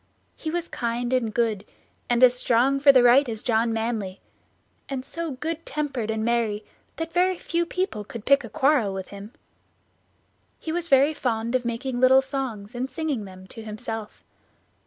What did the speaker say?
He was kind and good, and as strong for the right as John Manly; and so good tempered and merry that very few people could pick a quarrel with him. He was very fond of making little songs, and singing them to himself.